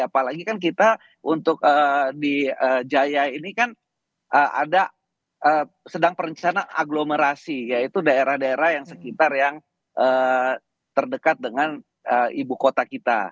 apalagi kan kita untuk di jaya ini kan ada sedang perencana aglomerasi yaitu daerah daerah yang sekitar yang terdekat dengan ibu kota kita